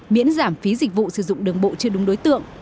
miễn giảm phí dịch vụ sử dụng đường bộ chưa đúng đối tượng